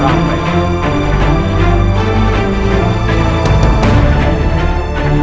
tidak kuat lagi atu